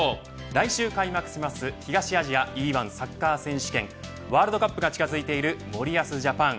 来週開幕する東アジアでＥ‐１サッカー選手権ワールドカップが近づいている森保ジャパン。